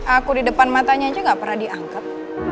aku di depan matanya aja gak pernah diangkat